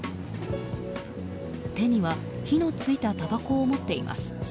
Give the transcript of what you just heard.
手には、火のついたたばこを持っています。